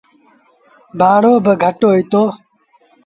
ڀآڙو با گھٽ هوئيٚتو۔